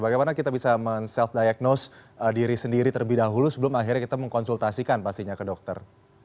bagaimana kita bisa men self diagnose diri sendiri terlebih dahulu sebelum akhirnya kita mengkonsultasikan pastinya ke dokter